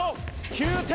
９点。